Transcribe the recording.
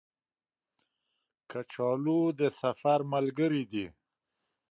کچالو د سفر ملګری دی